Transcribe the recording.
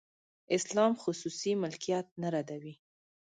اسلام خصوصي ملکیت نه ردوي.